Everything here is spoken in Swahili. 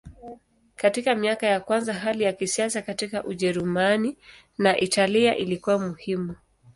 Katika miaka ya kwanza hali ya kisiasa katika Ujerumani na Italia ilikuwa muhimu.